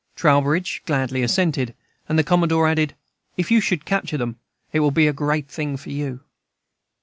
Trowbridge gladly assented; and the Commodore added, "If you should capture them, it will be a great thing for you."